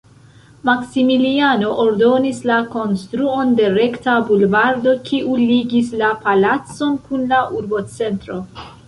Maksimiliano ordonis la konstruon de rekta bulvardo, kiu ligis la palacon kun la urbocentro.